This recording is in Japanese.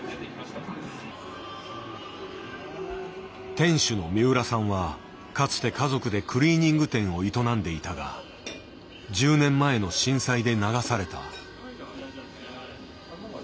店主の三浦さんはかつて家族でクリーニング店を営んでいたが１０年前の震災で流された。